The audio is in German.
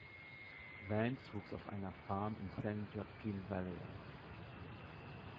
Vance wuchs auf einer Farm im San Joaquin Valley auf.